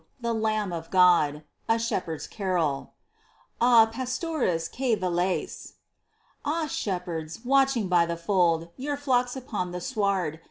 THE LAMB OF GOD. A shepherd's carol. ¡ Ah ! pastores que veláis. Ah, Shepherds, watching by the fold Your flocks upon the sward.